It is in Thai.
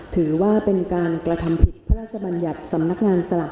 ถือว่าเป็นการกระทำผิดพระราชบัญญัติสำนักงานสลาก